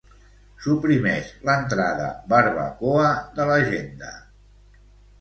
Suprimeix l'entrada "barbacoa" de l'agenda.